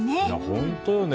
本当よね。